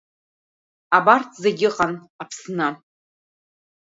Абарҭ зегьы ыҟан Аԥсны.